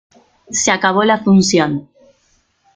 Se acabó la función.